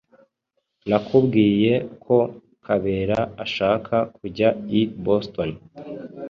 Nakubwiye ko Kabera ashaka kujya i Boston.